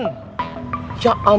nyalain gua ngasih kabar